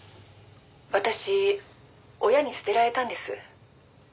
「私親に捨てられたんです」